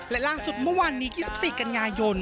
และล่าสุดเมื่อวานนี้๒๔กันยายน